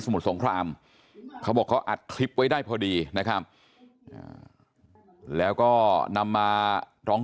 มุดสงครามเขาบอกเขาอัดคลิปไว้ได้พอดีนะครับแล้วก็นำมาร้อง